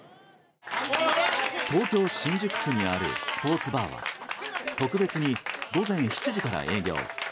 東京・新宿区にあるスポーツバーは特別に午前７時から営業。